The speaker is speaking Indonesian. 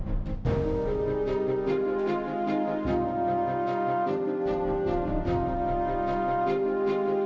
beberapa jenis gape geraknya